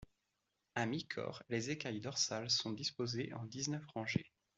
À mi-corps, les écailles dorsales sont disposées en dix-neuf rangées.